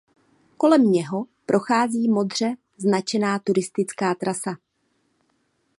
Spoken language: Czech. Kolem něho prochází modře značená turistická trasa.